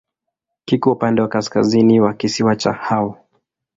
Kiko upande wa kaskazini wa kisiwa cha Hao.